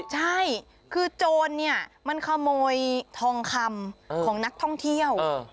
ใช่คือโจรเนี่ยมันขโมยทองคำของนักท่องเที่ยว